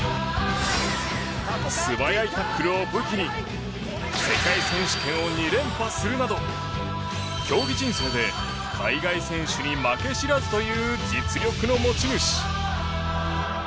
素早いタックルを武器に世界選手権を２連覇するなど競技人生で海外選手に負け知らずという実力の持ち主。